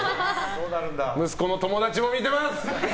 息子の友達も見てます。